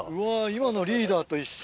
今のリーダーと一緒。